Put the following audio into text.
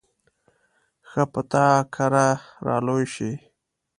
ښه به تا کره را لوی شي.